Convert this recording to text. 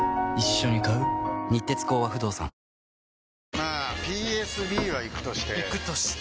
まあＰＳＢはイクとしてイクとして？